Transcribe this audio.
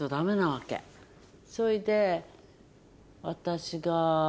それで私が。